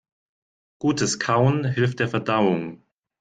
Gutes Kauen hilft der Verdauung.